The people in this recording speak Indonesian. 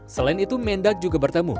selain itu mendak juga bertemu